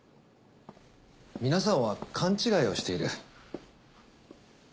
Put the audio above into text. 皆さんは勘違いをしている。